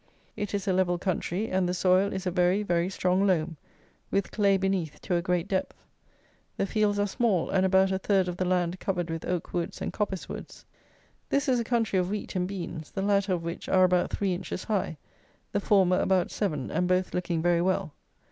It is a level country, and the soil is a very, very strong loam, with clay beneath to a great depth. The fields are small, and about a third of the land covered with oak woods and coppice woods. This is a country of wheat and beans; the latter of which are about three inches high, the former about seven, and both looking very well.